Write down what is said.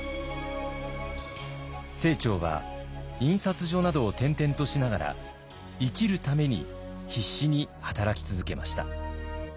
清張は印刷所などを転々としながら生きるために必死に働き続けました。